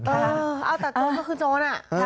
เออเอาตัดตรงก็คือโจรอ่ะ